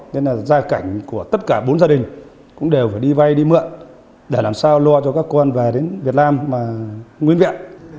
nên là gia cảnh của tất cả bốn gia đình cũng đều phải đi vay đi mượn để làm sao lo cho các con về đến việt nam mà nguyên viện